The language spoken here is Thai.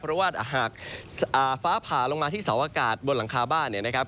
เพราะว่าหากฟ้าผ่าลงมาที่เสาอากาศบนหลังคาบ้านเนี่ยนะครับ